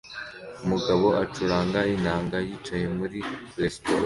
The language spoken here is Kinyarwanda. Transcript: Umugabo acuranga inanga yicaye muri resitora